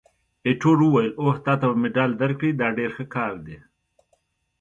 ایټور وویل: اوه، تا ته به مډال درکړي! دا ډېر ښه کار دی.